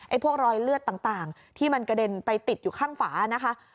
พวกรอยเลือดต่างที่มันกระเด็นไปติดอยู่ข้างฝานะคะ